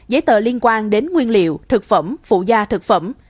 giấy tờ liên quan đến nguyên liệu thực phẩm phụ gia thực phẩm